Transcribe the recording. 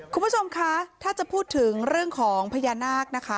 คุณผู้ชมคะถ้าจะพูดถึงเรื่องของพญานาคนะคะ